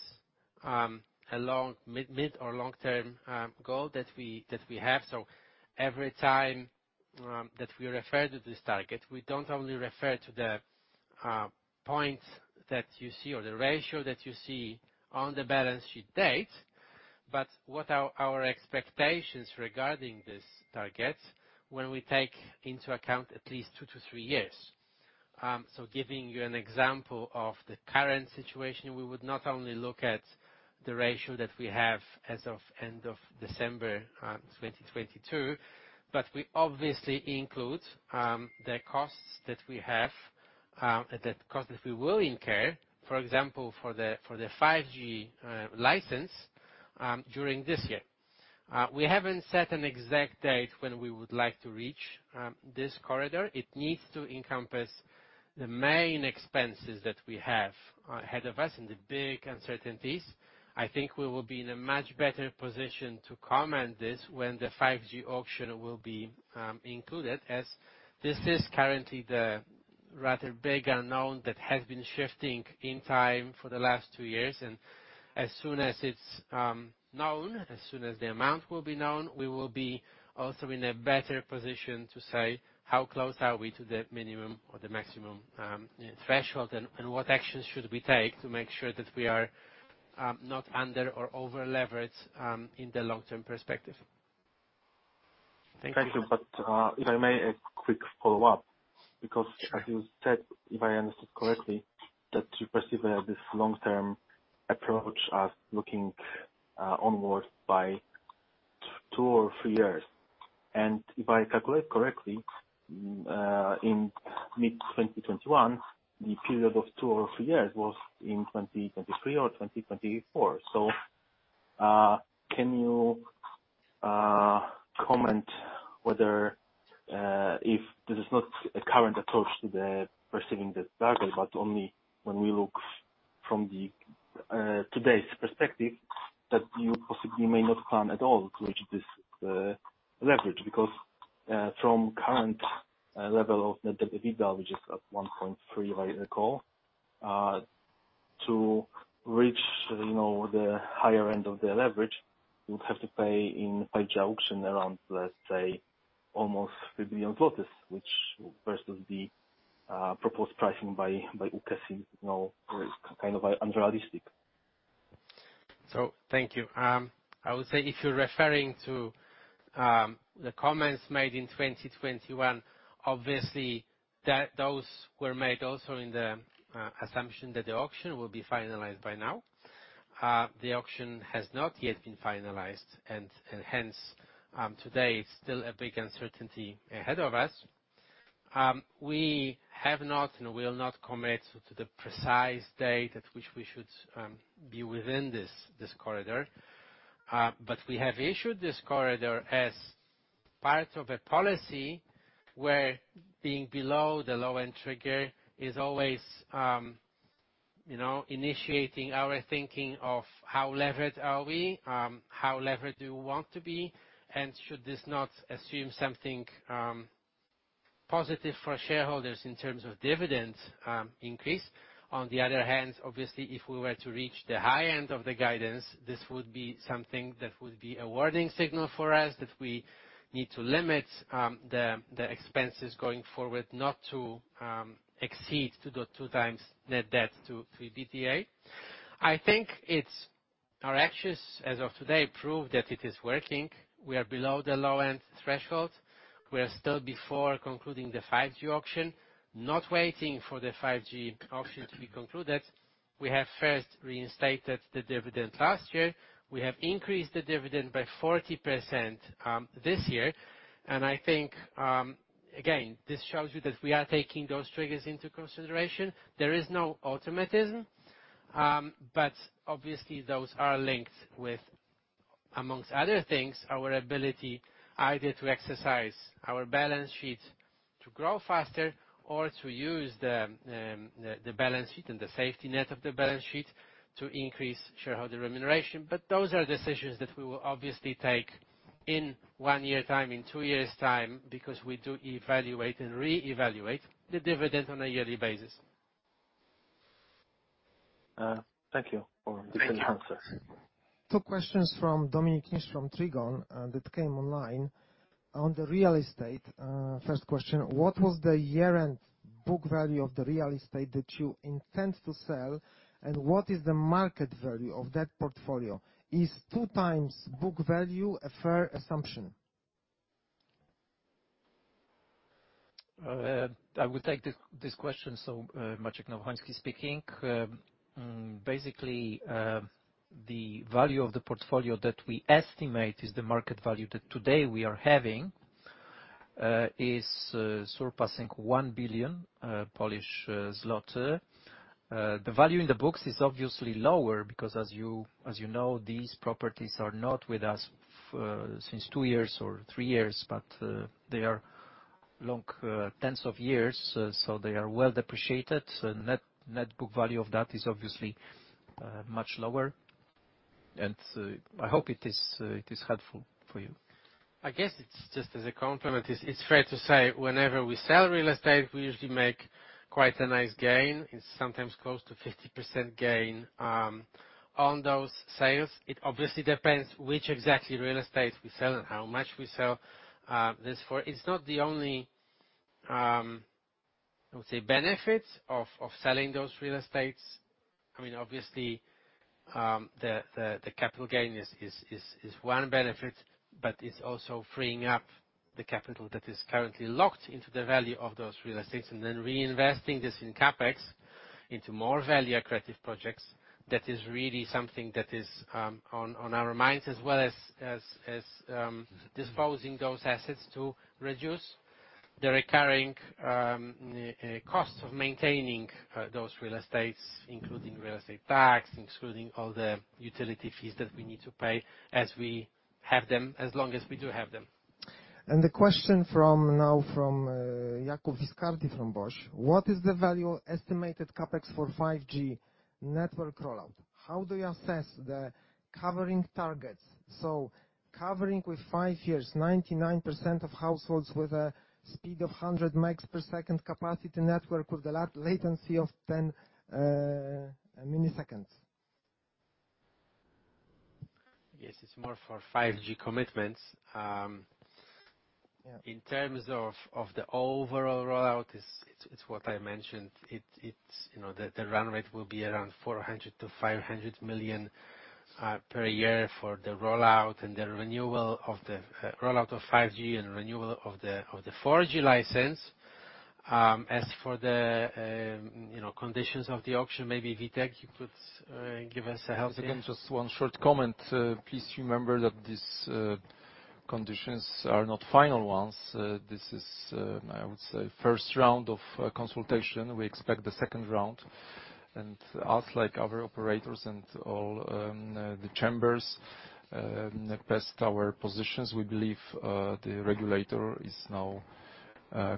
a long mid or long-term goal that we have. Every time that we refer to this target, we don't only refer to the points that you see or the ratio that you see on the balance sheet date, but what are our expectations regarding this target when we take into account at least 2 to 3 years. Giving you an example of the current situation, we would not only look at the ratio that we have as of end of December 2022, but we obviously include the costs that we have, the cost that we will incur, for example, for the 5G license during this year. We haven't set an exact date when we would like to reach this corridor. It needs to encompass the main expenses that we have ahead of us and the big uncertainties. I think we will be in a much better position to comment this when the 5G auction will be included, as this is currently the rather big unknown that has been shifting in time for the last two years. As soon as it's known, as soon as the amount will be known, we will be also in a better position to say how close are we to the minimum or the maximum threshold and what actions should we take to make sure that we are not under or over-leveraged in the long-term perspective. Thank you. If I may, a quick follow-up, because as you said, if I understood correctly, that you perceive this long-term approach as looking, onwards by 2 or 3 years. If I calculate correctly, in mid-2021, the period of 2 or 3 years was in 2023 or 2024. Can you comment whether, if this is not a current approach to the perceiving this target, but only when we look from the, today's perspective that you possibly may not plan at all to reach this leverage? From current level of net debt to EBITDA, which is at 1.3x, if I recall, to reach, you know, the higher end of the leverage, you'll have to pay in 5G auction around, let's say, almost 3 billion, which versus the proposed pricing by UKE is, you know, is kind of unrealistic. Thank you. I would say if you're referring to the comments made in 2021, obviously that those were made also in the assumption that the auction will be finalized by now. The auction has not yet been finalized and hence, today it's still a big uncertainty ahead of us. We have not and will not commit to the precise date at which we should be within this corridor. We have issued this corridor as part of a policy where being below the low-end trigger is always, you know, initiating our thinking of how levered are we, how levered do we want to be, and should this not assume something positive for shareholders in terms of dividend increase. On the other hand, obviously, if we were to reach the high end of the guidance, this would be something that would be a warning signal for us that we need to limit the expenses going forward not to exceed 2 to 2 times net debt to EBITDA. I think it's our actions as of today prove that it is working. We are below the low-end threshold. We are still before concluding the 5G auction, not waiting for the 5G auction to be concluded. We have first reinstated the dividend last year. We have increased the dividend by 40% this year. I think, again, this shows you that we are taking those triggers into consideration. There is no automatism. Obviously those are linked with, amongst other things, our ability either to exercise our balance sheet to grow faster or to use the balance sheet and the safety net of the balance sheet to increase shareholder remuneration. Those are decisions that we will obviously take in 1 year time, in 2 years time, because we do evaluate and reevaluate the dividend on a yearly basis. Thank you for the full answers. Thank you. Two questions from Dominik Niszcz from Trigon that came online. On the real estate, first question, what was the year-end book value of the real estate that you intend to sell, and what is the market value of that portfolio? Is two times book value a fair assumption? I will take this question. Maciej Nowohoński speaking. Basically, the value of the portfolio that we estimate is the market value that today we are having is surpassing 1 billion Polish zloty. The value in the books is obviously lower because as you know, these properties are not with us since 2 years or 3 years, but they are long tens of years, so they are well depreciated. The net book value of that is obviously much lower. I hope it is helpful for you. I guess it's just as a complement. It's, it's fair to say whenever we sell real estate, we usually make quite a nice gain, and sometimes close to 50% gain, on those sales. It obviously depends which exactly real estate we sell and how much we sell this for. It's not the only, I would say benefits of selling those real estates. I mean, obviously, the capital gain is one benefit, but it's also freeing up the capital that is currently locked into the value of those real estates, and then reinvesting this in CapEx into more value-accretive projects. That is really something that is on our minds, as well as disposing those assets to reduce the recurring cost of maintaining those real estates, including real estate tax, including all the utility fees that we need to pay as we have them, as long as we do have them. The question now from Jakub Viscardi from BOŚ: What is the value estimated CapEx for 5G network rollout? How do you assess the covering targets, covering with 5 years 99% of households with a speed of 100 Mbps capacity network with the latency of 10 milliseconds? Yes, it's more for 5G commitments. Yeah. In terms of the overall rollout, it's what I mentioned. It's, you know, the run rate will be around 400 million-500 million per year for the rollout and the renewal of the rollout of 5G and renewal of the 4G license. As for the, you know, conditions of the auction, maybe, Witold, you could give us a help here. Once again, just one short comment. Please remember that these conditions are not final ones. This is, I would say, first round of consultation. We expect the second round. Us, like other operators and all the chambers pressed our positions. We believe the regulator is now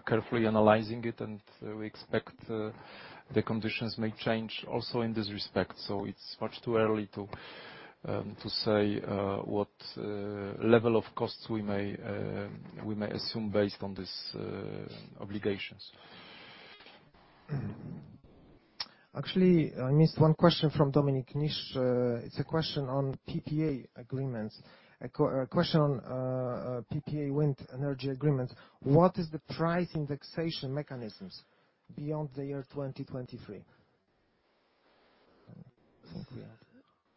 carefully analyzing it, and we expect the conditions may change also in this respect. It's much too early to say what level of costs we may assume based on these obligations. Actually, I missed one question from Dominik Niszcz. It's a question on PPA agreements. A question on PPA wind energy agreements. What is the price indexation mechanisms beyond the year 2023?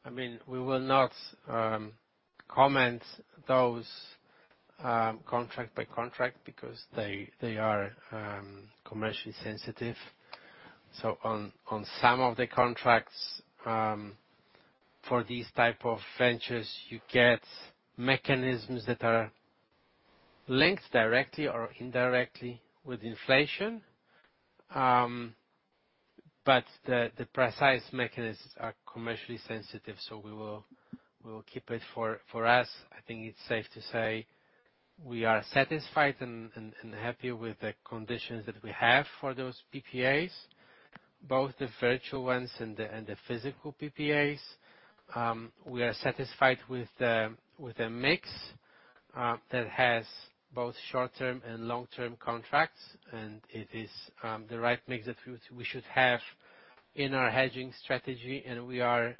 I mean, we will not comment those contract by contract because they are commercially sensitive. On some of the contracts, for these type of ventures, you get mechanisms that are linked directly or indirectly with inflation. The precise mechanisms are commercially sensitive, so we will keep it for us. I think it's safe to say we are satisfied and happy with the conditions that we have for those PPAs, both the virtual ones and the physical PPAs. We are satisfied with the mix that has both short-term and long-term contracts, and it is the right mix that we should have in our hedging strategy. We are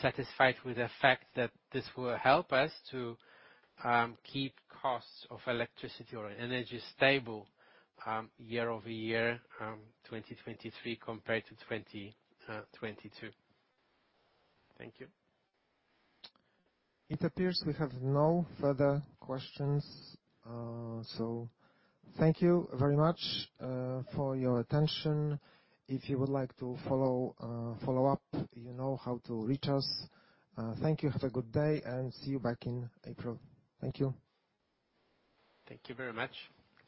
satisfied with the fact that this will help us to keep costs of electricity or energy stable year-over-year 2023 compared to 2022. Thank you. It appears we have no further questions. Thank you very much for your attention. If you would like to follow up, you know how to reach us. Thank you. Have a good day, and see you back in April. Thank you. Thank you very much.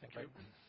Thank you. Bye.